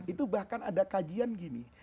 itu bahkan ada kajian gini